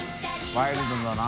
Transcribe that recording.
ワイルドだな。